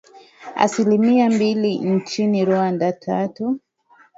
Asilimia mbili nchini Rwanda, tatu